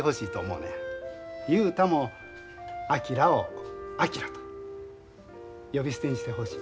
雄太も昭を「昭」と呼び捨てにしてほしい。